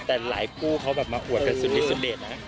แต่หลายผู้เขามาอวดเป็นสุดเดชนะ